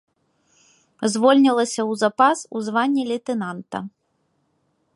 Звольнілася ў запас у званні лейтэнанта.